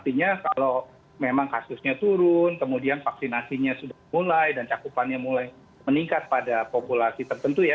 artinya kalau memang kasusnya turun kemudian vaksinasinya sudah mulai dan cakupannya mulai meningkat pada populasi tertentu ya